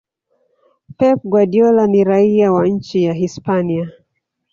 Pep Guardiola ni raia wa nchi ya Hispania